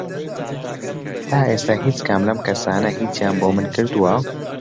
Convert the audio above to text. تا ئێستا هیچ کام لەم کەسانە هیچیان بۆ من کردووە؟